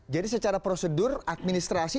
jadi secara prosedur administrasi